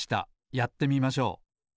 やってみましょう。